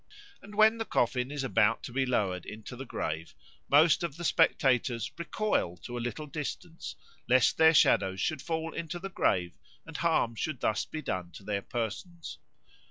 And when the coffin is about to be lowered into the grave most of the spectators recoil to a little distance lest their shadows should fall into the grave and harm should thus be done to their persons.